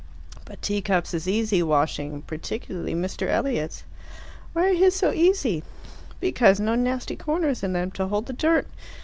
"But teacups is easy washing, particularly Mr. Elliot's." "Why are his so easy?" "Because no nasty corners in them to hold the dirt.